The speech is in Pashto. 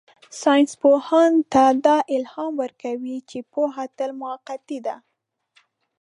ساینسپوهانو ته دا الهام ورکوي چې پوهه تل موقتي ده.